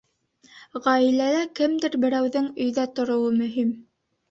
Ғаиләлә кемдер берәүҙең өйҙә тороуы мөһим.